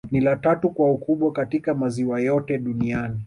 Ni la tatu kwa ukubwa katika maziwa yote Duniani